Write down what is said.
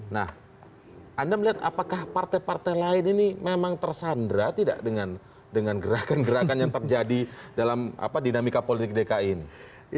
nah anda melihat apakah partai partai lain ini memang tersandra tidak dengan gerakan gerakan yang terjadi dalam dinamika politik dki ini